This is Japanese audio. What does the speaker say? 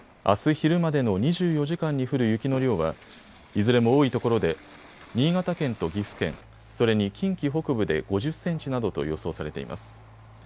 あす昼までの２４時間に降る雪の量は、いずれも多いところで新潟県と岐阜県、それに近畿北部で５０センチなどと予想されています。